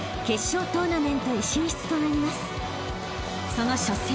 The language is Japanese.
［その初戦］